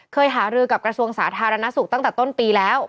หารือกับกระทรวงสาธารณสุขตั้งแต่ต้นปีแล้ว